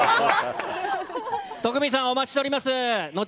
徳光さん、お待ちしております。